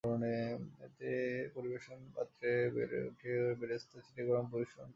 এবার পরিবেশন পাত্রে বেড়ে ওপরে বেরেস্তা ছিটিয়ে গরম গরম পরিবেশন করুন।